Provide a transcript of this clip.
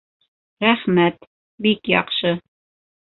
Рәхмәт, бик яҡшы.